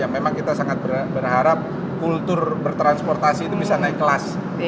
memang kita sangat berharap kultur bertransportasi itu bisa naik kelas